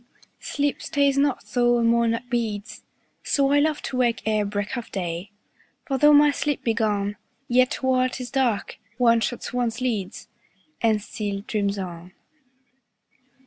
10 Sleep stays not, though a monarch bids: So I love to wake ere break of day: For though my sleep be gone, Yet while 'tis dark, one shuts one's lids, And still dreams on.